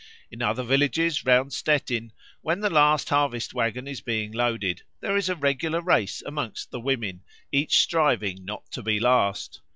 In other villages round Stettin, when the last harvest waggon is being loaded, there is a regular race amongst the women, each striving not to be last.